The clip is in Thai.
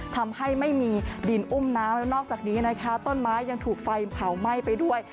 ทำให้ไม่มีดินอุ้มน้ำแล้วนอกจากนี้นะคะต้นไม้ยังถูกไฟเผาไหม้ไปด้วย